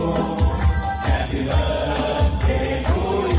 แฮปปี้เบิร์สเจทูยู